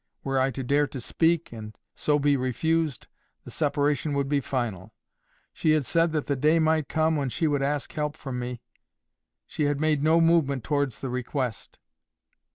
Were I to dare to speak, and so be refused, the separation would be final. She had said that the day might come when she would ask help from me: she had made no movement towards the request.